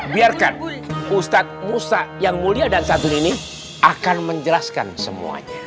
biar kan ustadz musa yang mulia dan sadun ini akan menjelaskan semuanya